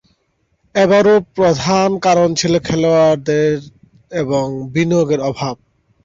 এবারও প্রধান কারণ ছিল খেলোয়াড়ের এবং বিনিয়োগের অভাব।